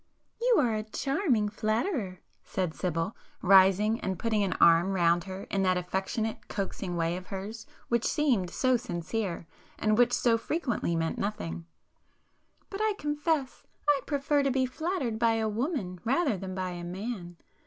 "You are a charming flatterer!" said Sibyl, rising and putting an arm round her in that affectionate coaxing way of hers which seemed so sincere, and which so frequently meant nothing—"But I confess I prefer to be flattered by a woman rather than by a man.